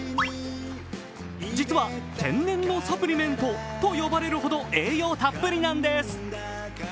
実は、天然のサプリメントと呼ばれるほど栄養たっぷりなんです。